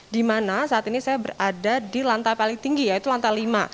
di mana saat ini saya berada di lantai paling tinggi yaitu lantai lima